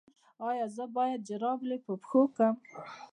ایا زه باید جرابې په پښو کړم؟